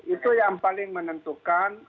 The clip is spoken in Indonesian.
itu yang paling menentukan